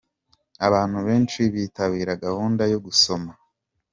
Abantu benshi bitabira gahunda yo gusoma.